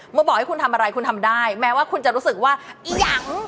บอกให้คุณทำอะไรคุณทำได้แม้ว่าคุณจะรู้สึกว่าอียัง